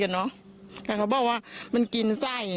น่ะพี่นรับ